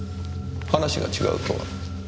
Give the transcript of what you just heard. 「話が違う」とは？